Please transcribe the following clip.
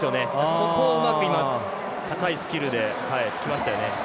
ここをうまく高いスキルでつきましたよね。